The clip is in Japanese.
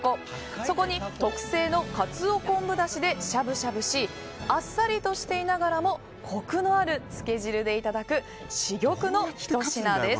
そこに特製のカツオ昆布だしでしゃぶしゃぶしあっさりとしていながらもコクのあるつけ汁でいただく珠玉のひと品です。